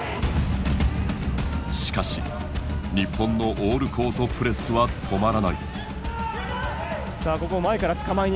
しかし日本のオールコートプレスは止まらない。